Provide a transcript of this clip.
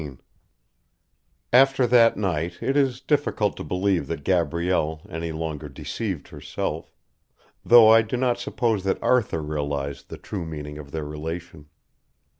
XV After that night it is difficult to believe that Gabrielle any longer deceived herself, though I do not suppose that Arthur realised the true meaning of their relation.